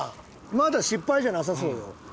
まだ失敗じゃなさそうよ。